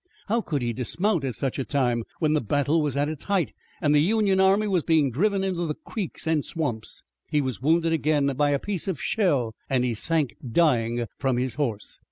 How could he dismount at such a time, when the battle was at its height, and the Union army was being driven into the creeks and swamps! He was wounded again by a piece of shell, and he sank dying from his horse.